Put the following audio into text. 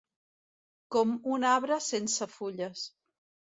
Com un arbre sense fulles.